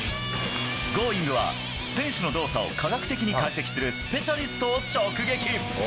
Ｇｏｉｎｇ！は、選手の動作を科学的に解析するスペシャリストを直撃。